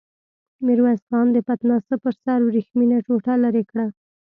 ميرويس خان د پتناسه پر سر ورېښمينه ټوټه ليرې کړه.